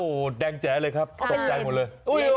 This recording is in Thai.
โอ้โหแดงแจเลยครับตกใจหมดเลย